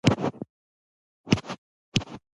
د نیم پاڼې د څه لپاره وکاروم؟